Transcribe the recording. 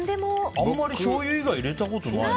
あんまりしょうゆ以外入れたことないな。